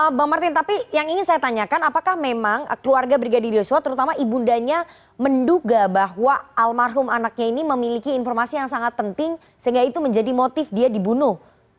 bang martin tapi yang ingin saya tanyakan apakah memang keluarga brigadir yosua terutama ibu undanya menduga bahwa almarhum anaknya ini memiliki informasi yang sangat penting sehingga itu menjadi motif dia dibunuh